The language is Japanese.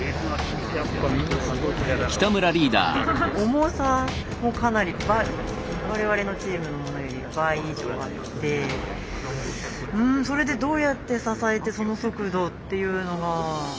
重さもかなり我々のチームのものより倍以上あってうんそれでどうやって支えてその速度っていうのが。